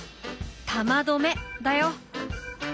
「玉どめ」だよ。